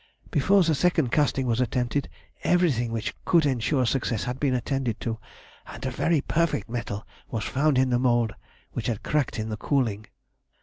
Before the second casting was attempted, everything which could ensure success had been attended to, and a very perfect metal was found in the mould, which had cracked in the cooling.